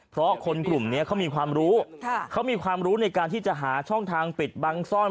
เพราะคนกลุ่มนี้เขามีความรู้เขามีความรู้ในการที่จะหาช่องทางปิดบังซ่อน